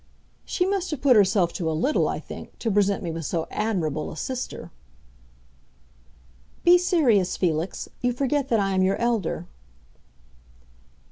"She must have put herself to a little, I think, to present me with so admirable a sister." "Be serious, Felix. You forget that I am your elder."